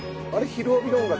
「ひるおび」の音楽